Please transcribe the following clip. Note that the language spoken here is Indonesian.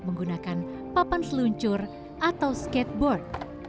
menggunakan papan seluncur atau skateboard